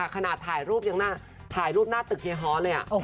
ขนาดถ่ายรูปยังหน้าตึกเฮียฮ้อเลยอ่ะ